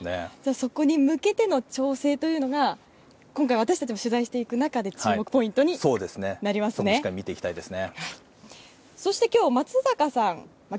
そこに向けての調整というのが今回、私たちも取材していく中で注目ポイントになりますね。